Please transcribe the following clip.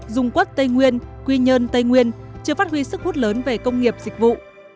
dùng quốc tây nguyên quy nhơn tây nguyên chưa phát huy sức hút lớn về công nghiệp dịch vụ